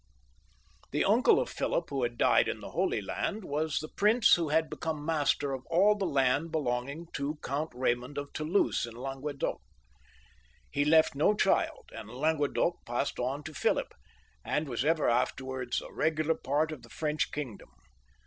The uncle of Philip who had died in the Holy Land, was the prince who had become master of all the land belonging to Count Eaymond of Toulouse, in Languedoc. He left no child, and Languedoc passed on to Philip, and was ever afterwards a regular part of the French kingdom.